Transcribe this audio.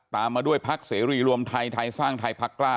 ตามมาด้วยภักดิ์เสรีรวมไทยไทยสร้างไทยภักดิ์กล้า